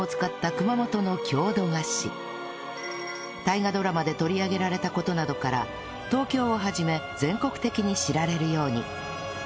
大河ドラマで取り上げられた事などから東京を始め全国的に知られるように